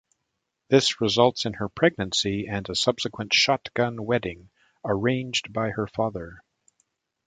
This results in her pregnancy and a subsequent Shotgun wedding arranged by her father.